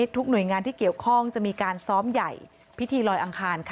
ทุกหน่วยงานที่เกี่ยวข้องจะมีการซ้อมใหญ่พิธีลอยอังคาร